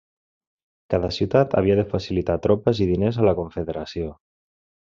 Cada ciutat havia de facilitar tropes i diners a la confederació.